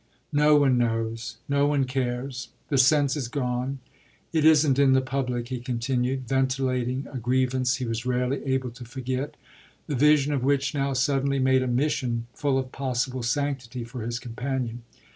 "No one knows, no one cares; the sense is gone it isn't in the public," he continued, ventilating a grievance he was rarely able to forget, the vision of which now suddenly made a mission full of possible sanctity for his companion.